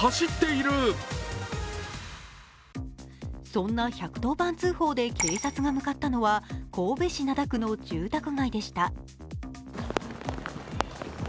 そんな１１０番通報で警察が向かったのは神戸市灘区の住宅街でした。